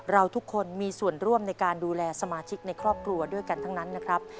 เราทุกคนมีส่วนร่วมในการดูแลสมาชิกในครอบครัวด้วยกันทั้งนั้นนะครับ